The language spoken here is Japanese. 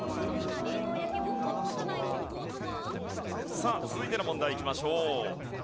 さあ続いての問題いきましょう。